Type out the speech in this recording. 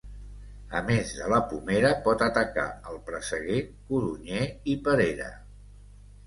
A més de la pomera pot atacar el presseguer, codonyer i perera.